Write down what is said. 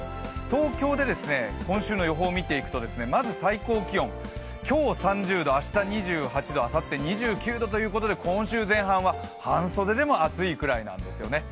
東京で今週の予報見ていくとまず最高気温、今日３０度、明日２８度、あさって２９度ということで今週前半は半袖でも暑いくらいなんですよね。